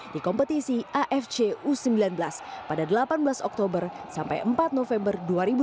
di kompetisi afc u sembilan belas pada delapan belas oktober sampai empat november dua ribu dua puluh